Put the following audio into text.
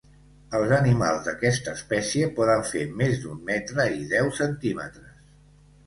Els animals d'aquesta espècie poden fer més d'un metre i deu centímetres.